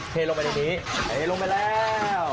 เทลงไปในนี้เทลงไปแล้ว